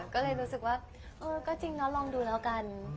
ก็เลยรู้สึกว่าเออก็จริงเนาะลองดูแล้วกัน